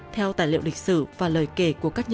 theo tài liệu lịch sử và lời kể